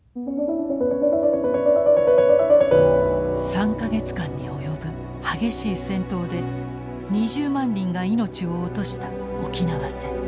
３か月間に及ぶ激しい戦闘で２０万人が命を落とした沖縄戦。